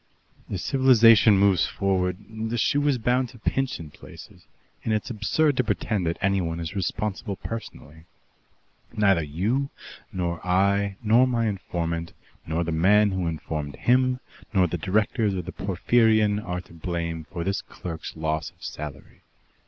As civilization moves forward, the shoe is bound to pinch in places, and it's absurd to pretend that anyone is responsible personally. Neither you, nor I, nor my informant, nor the man who informed him, nor the directors of the Porphyrion, are to blame for this clerk's loss of salary.